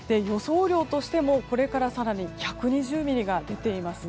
雨量としても、これから更に１２０ミリが出ています。